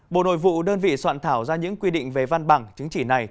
bộ nội vụ đơn vị soạn thảo ra những quy định về văn bằng chứng chỉ này